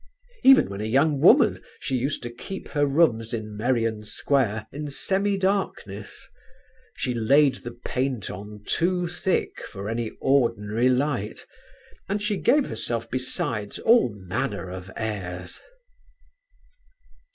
Even when a young woman she used to keep her rooms in Merrion Square in semi darkness; she laid the paint on too thick for any ordinary light, and she gave herself besides all manner of airs."